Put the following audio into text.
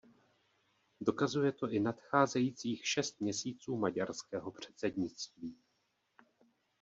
Dokazuje to i nadcházejících šest měsíců maďarského předsednictví.